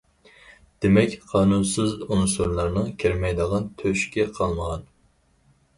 دېمەك، قانۇنسىز ئۇنسۇرلارنىڭ كىرمەيدىغان تۆشۈكى قالمىغان.